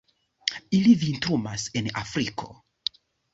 Ili vintrumas en Afriko.